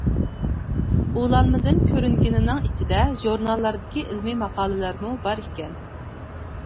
ئۇلانمىدىن كۆرۈنگىنىنىڭ ئىچىدە ژۇرناللاردىكى ئىلمىي ماقالىلەرمۇ بار ئىكەن.